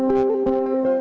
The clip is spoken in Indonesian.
lalu dia nyaman